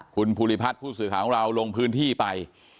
คุณภูริพัฒน์ผู้สื่อข่าวของเราลงพื้นที่ไป